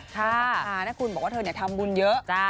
คุณภาคานะคุณบอกว่าเธอเนี่ยทำบุญเยอะ